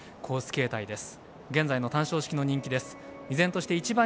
形態です。